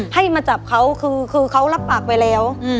ให้มาจับเขาคือเขารับปากไปแล้ว